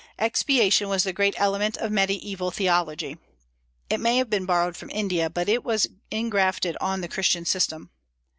Expiation was the great element of Mediaeval theology. It may have been borrowed from India, but it was engrafted on the Christian system.